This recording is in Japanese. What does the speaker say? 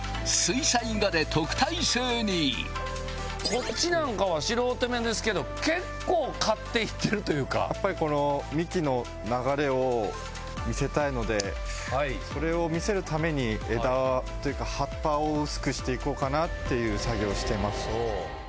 こっちなんかは素人目ですけど結構刈っていってるというかやっぱりこの幹の流れを見せたいのでそれを見せるために枝というか葉っぱを薄くしていこうかなっていう作業をしてます